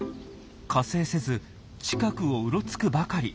加勢せず近くをうろつくばかり。